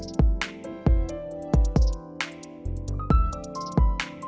hẹn gặp lại